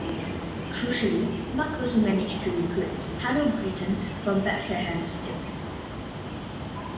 Crucially, Mark also managed to recruit Harold Brittan from Bethlehem Steel.